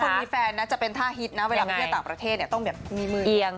มีแฟนนะจะเป็นท่าฮิตนะเวลาไปเที่ยวต่างประเทศเนี่ยต้องแบบมีมือเอียง